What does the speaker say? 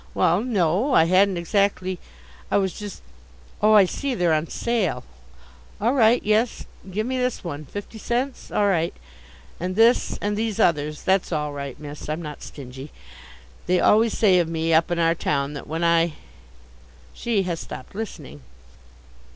Well, no, I hadn't exactly I was just Oh, I see, they're on sale. All right, yes, give me this one fifty cents all right and this and these others. That's all right, miss, I'm not stingy. They always say of me up in our town that when I She has stopped listening.